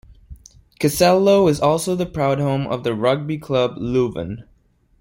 Kessel-Lo is also the proud home of the Rugby Club Leuven.